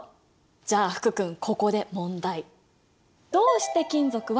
じゃあ福君ここで問題。